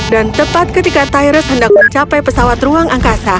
dan tepat ketika tyrus hendak mencapai pesawat ruang angkasa